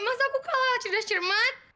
masa aku kalah cerdas cermat